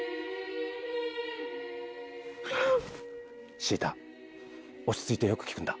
シータ、落ち着いてよく聞くんだ。